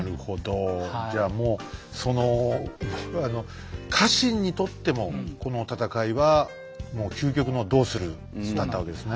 じゃあもうその家臣にとってもこの戦いは究極の「どうする」だったわけですね。